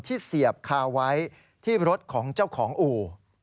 เสียบคาไว้ที่รถของเจ้าของอู่